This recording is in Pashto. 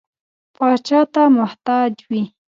پاچا ته محتاج وي.